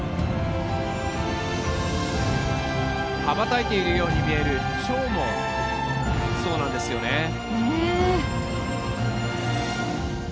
羽ばたいているように見えるちょうも、そうなんですよね。